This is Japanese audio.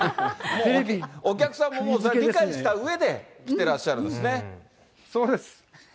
お客さんももうそれは理解したうえで、来てらっしゃるんですそうです。